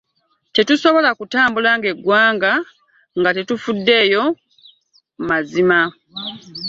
“Tetusobola kutambula ng'eggwanga nga tetufuddeyo ku mazima"